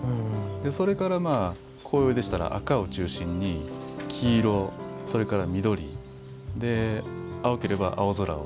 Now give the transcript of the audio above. それから、紅葉でしたら赤を中心に黄色、それから緑青ければ青空を。